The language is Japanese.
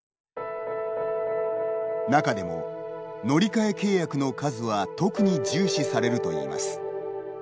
中でも乗り換え契約の数は特に重視されるといいます。